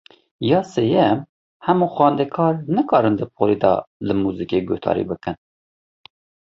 Ya sêyem, hemû xwendekar nikarin di polê de li muzîkê guhdarî bikin.